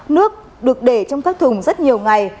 nước được để trong các thùng rất nhiều ngày